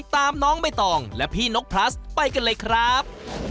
ตามน้องใบตองและพี่นกพลัสไปกันเลยครับ